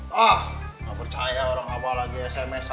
tau mana liat ah gak percaya orang abah lagi sms an sama temen abah ya